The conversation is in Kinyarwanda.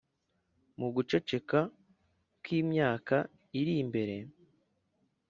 mu guceceka kwimyaka iri imbere